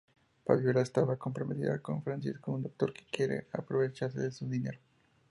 Fabiola estaba comprometida con Francisco, un doctor que quiere aprovecharse de su dinero.